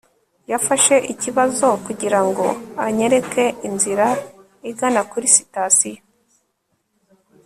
yafashe ikibazo kugirango anyereke inzira igana kuri sitasiyo